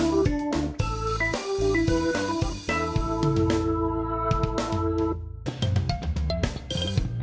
โปรดติดตามตอนต่อไป